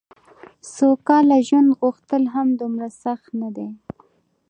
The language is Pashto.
سوکاله ژوند غوښتل هم دومره سخت نه دي.